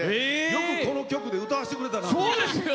よくこの曲で歌わせてくれたなと。